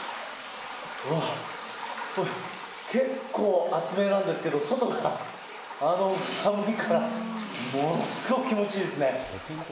うわっ、これ、結構熱めなんですけど、外が寒いから、ものすごく気持ちいいですね。